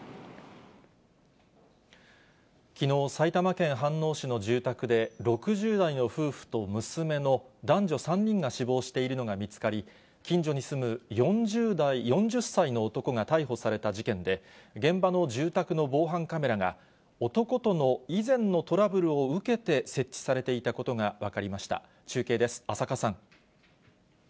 きのう、埼玉県飯能市の住宅で、６０代の夫婦と娘の男女３人が死亡しているのが見つかり、近所に住む４０歳の男が逮捕された事件で、現場の住宅の防犯カメラが、男との以前のトラブルを受けて設置されていたことが分かりました。